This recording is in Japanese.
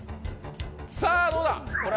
さぁどうだ？